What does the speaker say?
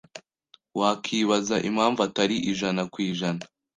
wakibaza impamvu atari ijana kw’ijana